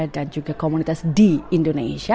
dan juga komunitas di indonesia